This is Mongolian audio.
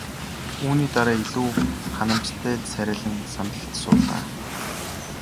Үүний дараа илүү ханамжтай царайлан сандалд суулаа.